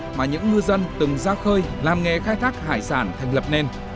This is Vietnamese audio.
các xã mà những ngư dân từng ra khơi làm nghề khai thác hải sản thành lập nên